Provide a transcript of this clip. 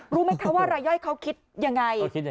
รู้ไหมคะว่ารายย่อยเขาคิดยังไง